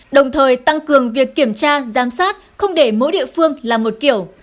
đồng thời tăng cường việc kiểm tra giám sát không để mỗi địa phương là một kiểu